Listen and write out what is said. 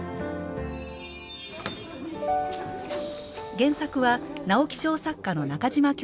原作は直木賞作家の中島京子さん。